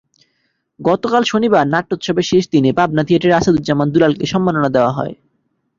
গতকাল শনিবার নাট্যোৎসবের শেষ দিনে পাবনা থিয়েটারের আসাদুজ্জামান দুলালকে সম্মাননা দেওয়া হয়।